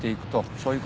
そういう事？